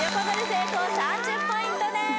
成功３０ポイントです